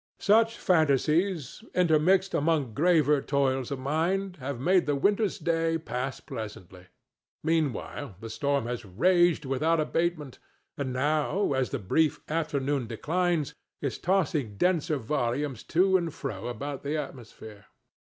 Such fantasies, intermixed among graver toils of mind, have made the winter's day pass pleasantly. Meanwhile, the storm has raged without abatement, and now, as the brief afternoon declines, is tossing denser volumes to and fro about the atmosphere.